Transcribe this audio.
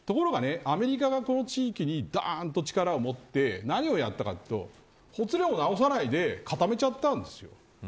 アメリカがこの地域に力を持って何をしたかというとほつれを直さないで固めてしまったんです。